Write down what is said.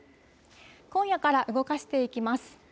今夜から動かしていきます。